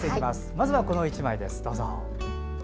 まずはこの１枚です。